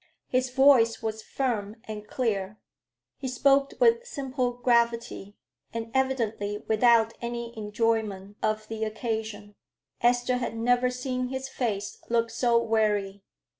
His voice was firm and clear: he spoke with simple gravity, and evidently without any enjoyment of the occasion. Esther had never seen his face look so weary.